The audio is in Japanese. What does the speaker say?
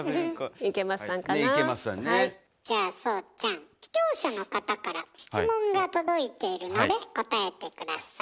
じゃあ壮ちゃん視聴者の方から質問が届いているので答えて下さい。